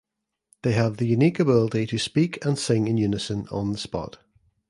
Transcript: They have the unique ability to speak and sing in unison on the spot.